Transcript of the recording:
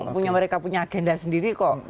punya mereka punya agenda sendiri kok